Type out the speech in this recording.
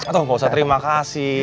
atau nggak usah terima kasih